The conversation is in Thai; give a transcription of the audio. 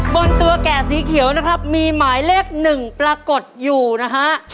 บนตัวแก่สีเขียวนะครับมีหมายเลขหนึ่งปรากฏอยู่นะฮะ